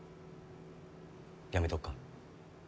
やめとくか？